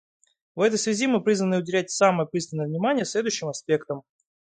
В этой связи мы призваны уделять самое пристальное внимание следующим аспектам.